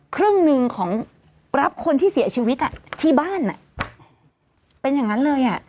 ครึ่งหนึ่งของรับคนที่เสียชีวิตอ่ะที่บ้านอ่ะเป็นอย่างนั้นเลยอ่ะ